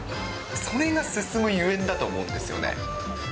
それが進むゆえんだと思うんですよね。